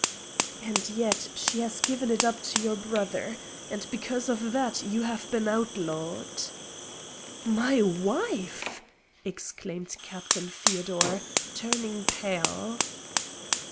"And yet, she has given it up to your brother. And because of that you have been outlawed." "My wife!" exclaimed Captain Feodor, turning pale.